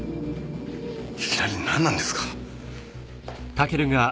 いきなりなんなんですか？